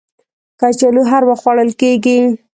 کچالو هر وخت خوړل کېږي